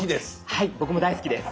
はい僕も大好きです。